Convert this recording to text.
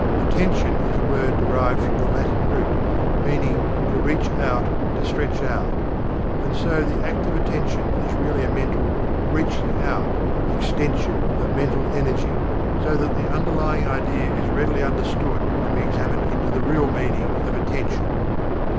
"Attention" is a word derived from the Latin root, meaning "to reach out; to stretch out," and so the act of Attention is really a mental "reaching out; extension" of mental energy, so that the underlying idea is readily understood when we examine into the real meaning of "Attention."